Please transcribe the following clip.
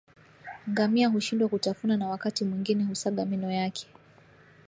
Ngamia hushindwa kutafuna na wakati mwingine husaga meno yake